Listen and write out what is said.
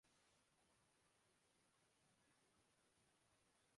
اور آبی جانوروں میں بطخیں